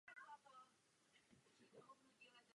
Firma sídlí v Montpellier a vyrábí stavební stroje a nářadí.